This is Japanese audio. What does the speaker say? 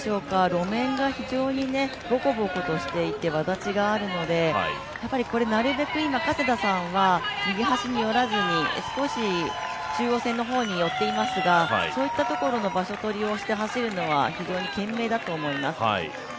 路面が非常にぼこぼことしていてわだちがあるので、なるべく今加世田さんは右端に寄らずに、少し中央線の方に寄っていますが、そういうところの場所取りをして走るのは非常に賢明だと思います。